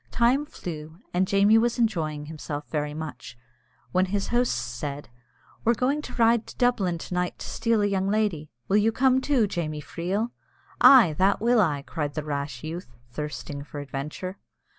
Time flew, and Jamie was enjoying himself very much, when his hosts said, "We're going to ride to Dublin to night to steal a young lady. Will you come too, Jamie Freel?" "Ay, that will I!" cried the rash youth, thirsting for adventure.